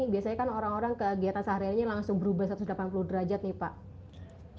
biasanya kan orang orang kegiatan sehariannya langsung berubah satu ratus delapan puluh derajat nih pak